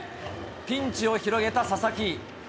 ピンチを広げた佐々木。